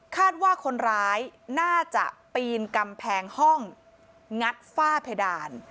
คาดว่าคนร้ายน่าจะปีนกำแพงห้องงัดฝ้าเพดาน